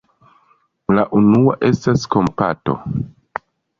La unua estas kompato.